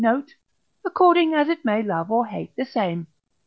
note), according as it may love or hate the same.